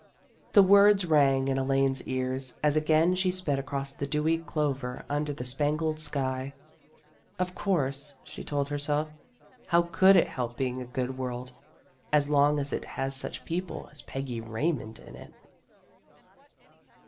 The words rang in Elaine ? s ears as again she sped across the dewy clover under the spangled sky. " Of course," she told herself. " How could it help being a good world as long as it has such people as Peggy Raymond in it?